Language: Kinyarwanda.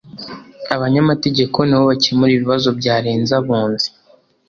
abanyamategeko ni bo bakemura ibibazo byarenze abunzi.